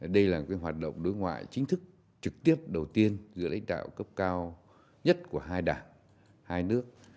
đây là hoạt động đối ngoại chính thức trực tiếp đầu tiên giữa lãnh đạo cấp cao nhất của hai đảng hai nước